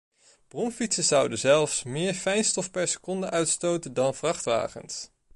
Bromfietsen zouden zelfs meer fijn stof per seconde uitstoten dan vrachtwagens.